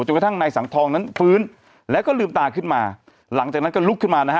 กระทั่งนายสังทองนั้นฟื้นแล้วก็ลืมตาขึ้นมาหลังจากนั้นก็ลุกขึ้นมานะฮะ